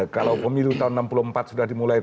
kalau pemilu tahun enam puluh empat sudah dimulai